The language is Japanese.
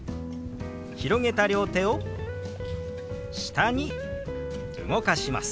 広げた両手を下に動かします。